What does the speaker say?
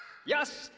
よし！